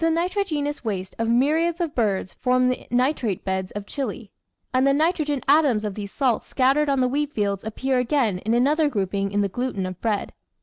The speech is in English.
Natural History 601 myriads of birds formed the nitrate beds of Chili, and the nitrogen atoms of these salts scattered on the wheat fields appear again in another grouping in the gluten of bread.